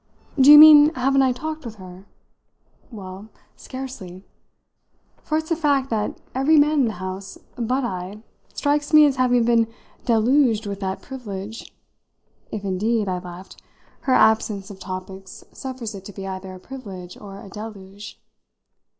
Do you mean haven't I talked with her? Well, scarcely; for it's a fact that every man in the house but I strikes me as having been deluged with that privilege: if indeed," I laughed, "her absence of topics suffers it to be either a privilege or a deluge!